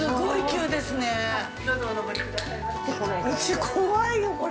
◆うち、怖いよ、これ。